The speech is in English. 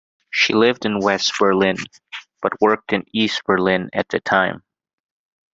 She lived in West Berlin, but worked in East Berlin at the time.